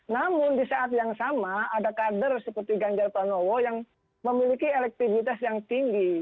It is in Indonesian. namun di saat yang sama ada kader seperti ganjar pranowo yang memiliki elektibilitas yang tinggi